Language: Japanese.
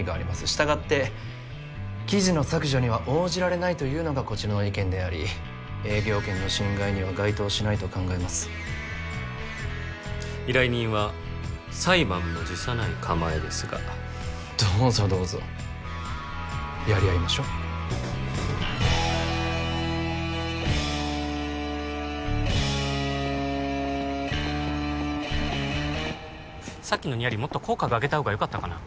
したがって記事の削除には応じられないというのがこちらの意見であり営業権の侵害には該当しないと考えます依頼人は裁判も辞さない構えですがどうぞどうぞやりあいましょうさっきのニヤリもっと口角上げた方がよかったかな？